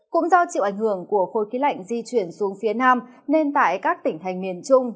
cũng do chịu ảnh hưởng của khối khí lạnh di chuyển xuống phía nam nên tại các tỉnh thành miền trung